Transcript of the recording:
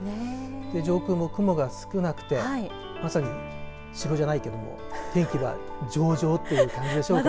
上空も雲が少なくてまさに城じゃないけれど天気が上場ということでしょうか。